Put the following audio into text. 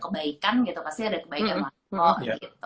kebaikan gitu pasti ada kebaikan